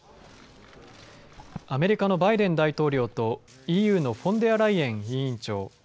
アメリカのバイデン大統領とＥＵのフォンデアライエン委員長。